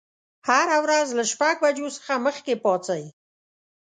هره ورځ له شپږ بجو څخه مخکې پاڅئ.